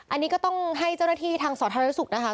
อันนี้ก็ต้องให้เจ้าหน้าที่ทางสาธารณสุขนะคะ